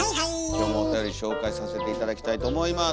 今日もおたより紹介させて頂きたいと思います。